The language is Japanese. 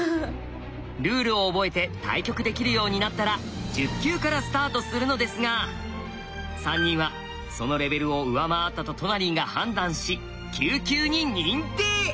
ルールを覚えて対局できるようになったら十級からスタートするのですが３人はそのレベルを上回ったとトナリンが判断し九級に認定！